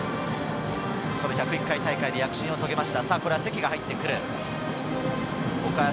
１０１回大会で躍進を遂げました。